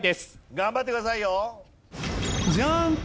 頑張ってくださいよ。